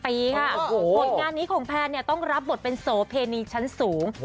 ผลงานนี้ของแพนต้องรับบทเป็นโสเพณีชั้นสูง